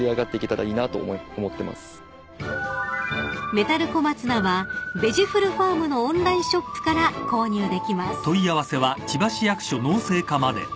［メタル小松菜はベジフルファームのオンラインショップから購入できます］